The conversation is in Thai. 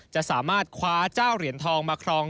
จะสามารถคว้าเจ้าเหรียญทองมาครอง